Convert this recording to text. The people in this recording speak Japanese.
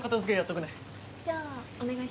とくねじゃあお願いします